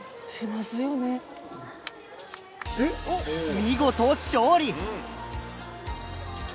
見事勝利！